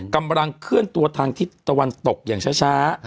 กำลังเคลื่อนตัวทางทิศตะวันตกอย่างช้า